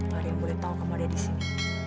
gak ada yang boleh tahu kamu ada di sini